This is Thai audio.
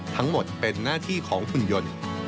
ทั้งหมดเป็นหน้าที่ของหุ่นยนต์